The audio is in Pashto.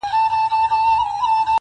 زولنې د زندانونو به ماتیږي-